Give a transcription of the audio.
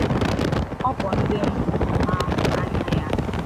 ọ kpọọ ndị ma anya ya